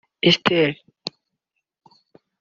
Esther